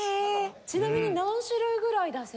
ちなみに何種類ぐらい出せるんですか？